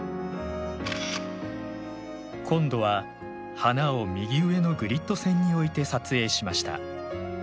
今度は花を右上のグリッド線に置いて撮影しました。